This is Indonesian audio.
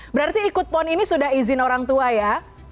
berarti ikut pon ini sudah izin orang tua ya